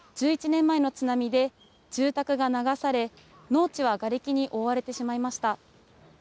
１１年前の津波で、住宅が流され、農地はがれきに覆われてしまいました。